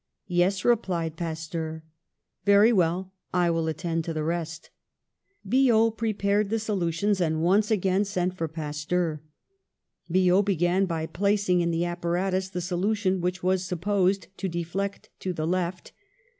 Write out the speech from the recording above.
" 'Yes,' replied Pasteur. " 'Very well, I will attend to the rest.' "Biot prepared the solutions, and once again sent for Pasteur. Biot began by placing in the apparatus the solution which was supposed to deflect to the left.